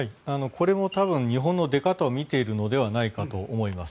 これも多分日本の出方を見ているのではないかと思います。